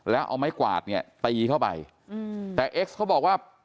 แล้วเอาไม้กวาดเนี่ยตีเข้าไปอืมแต่เอ็กซ์เขาบอกว่า